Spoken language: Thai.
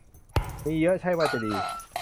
มีเยอะใช่ว่าจะดี